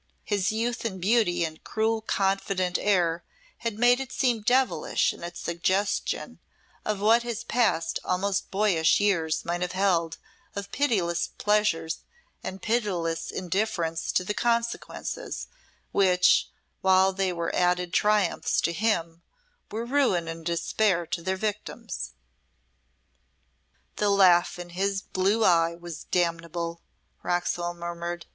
His youth and beauty and cruel, confident air had made it seem devilish in its suggestion of what his past almost boyish years might have held of pitiless pleasures and pitiless indifference to the consequences, which, while they were added triumphs to him, were ruin and despair to their victims. "The laugh in his blue eye was damnable," Roxholm murmured.